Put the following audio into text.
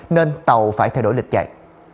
nên tàu phải thay đổi lịch chạy